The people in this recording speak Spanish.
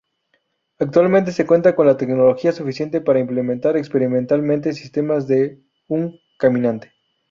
Actualmente se cuenta con la tecnología suficiente para implementar experimentalmente sistemas de un caminante.